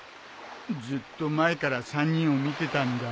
ずっと前から３人を見てたんだ。